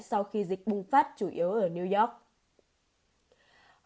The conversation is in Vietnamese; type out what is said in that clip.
sau khi dịch bùng phát chủ yếu ở new york